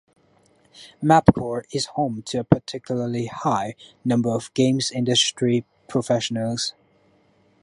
MapCore is home to a particularly high number of games industry professionals.